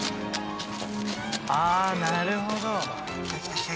ああなるほど！